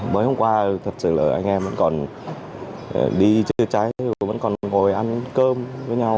mới hôm qua thật sự là anh em vẫn còn đi chữa cháy vẫn còn ngồi ăn cơm với nhau